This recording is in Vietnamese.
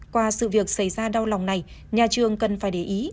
qua sự việc xảy ra đau lòng này nhà trường cần phải để ý